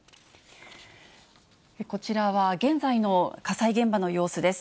こちらは現在の火災現場の様子です。